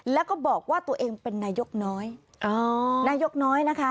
แล้วก็บอกว่าตัวเองเป็นนายกน้อยอ๋อนายกน้อยนะคะ